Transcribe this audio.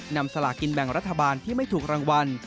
สลากินแบ่งรัฐบาลที่ไม่ถูกรางวัล